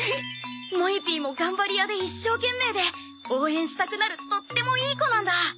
もえＰも頑張り屋で一生懸命で応援したくなるとってもいい子なんだ。